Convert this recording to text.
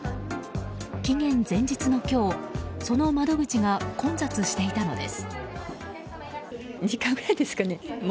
期限前日の今日、その窓口が混雑していたのです。